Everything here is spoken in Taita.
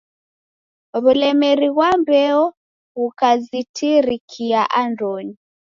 W'ulemeri ghwa mbeo ghukazitirikia andonyi.